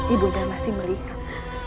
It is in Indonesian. ibu dah masih melihat